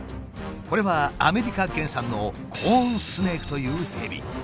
これはアメリカ原産のコーンスネークというヘビ。